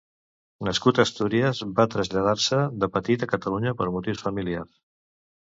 Nascut a Astúries, va traslladar-se de petit a Catalunya per motius familiars.